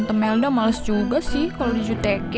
tante melda malas juga sih kalo di jutekin